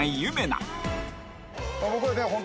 菜僕はね